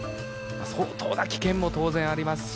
相当な危険も当然ありますし。